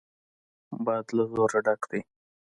باد له زور ډک دی.